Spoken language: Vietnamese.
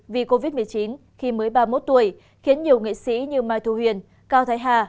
vì covid một mươi chín khi mới ba mươi một tuổi khiến nhiều nghệ sĩ như mai thu huyền cao thái hà